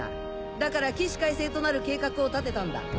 だから起死回生となる計画を立てたんだ。